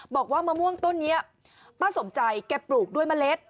บอกว่ามะม่วงต้นนี้ป้าสมใจแกปลูกด้วยเมล็ด